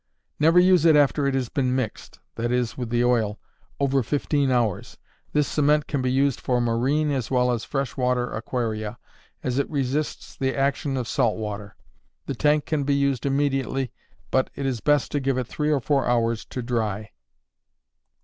Never use it after it has been mixed (that is, with the oil) over fifteen hours. This cement can be used for marine as well as fresh water aquaria, as it resists the action of salt water. The tank can be used immediately, but it is best to give it three or four hours to dry.